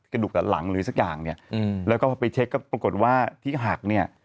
กระดูกกับหลังหรือสักอย่างเนี่ยแล้วก็พอไปเช็คก็ปรากฏว่าที่หักเนี่ย